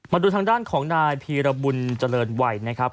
มาดูทางด้านของนายพีรบุญเจริญวัยนะครับ